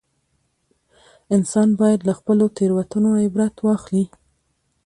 انسان باید له خپلو تېروتنو عبرت واخلي